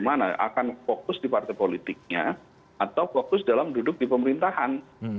jadi kita tidak akan fokus di partai politiknya atau fokus dalam duduk di pemerintahan